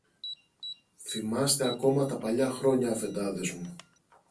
Θυμάστε ακόμα τα παλιά χρόνια, Αφεντάδες μου.